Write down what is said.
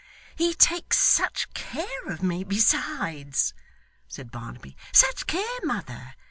'He takes such care of me besides!' said Barnaby. 'Such care, mother!